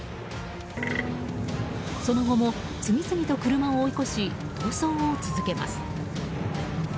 その後も次々と車を追い越し逃走を続けます。